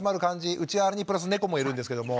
うちはあれにプラス猫もいるんですけども。